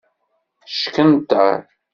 Ckenter.